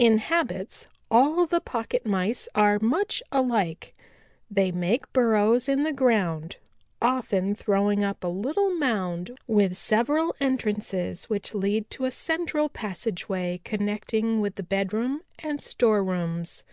"In habits all the Pocket Mice are much alike. They make burrows in the ground, often throwing up a little mound with several entrances which lead to a central passageway connecting with the bedroom and storerooms.